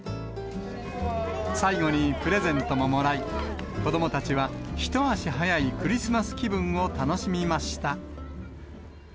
最後にプレゼントももらい、子どもたちは一足早いクリスマス気分を楽しみました。